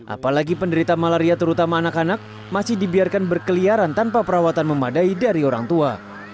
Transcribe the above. apalagi penderita malaria terutama anak anak masih dibiarkan berkeliaran tanpa perawatan memadai dari orang tua